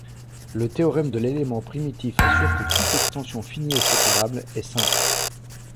Le théorème de l'élément primitif assure que toute extension finie et séparable est simple.